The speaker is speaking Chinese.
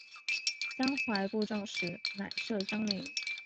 江淮布政使仍设江宁。